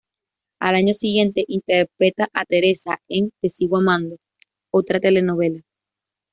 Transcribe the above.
Al año siguiente interpreta a Teresa en "Te sigo amando", otra telenovela.